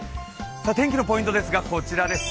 天気のポイントですがこちらです。